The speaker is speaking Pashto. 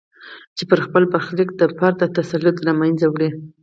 چې پر خپل برخلیک د فرد تسلط له منځه وړي.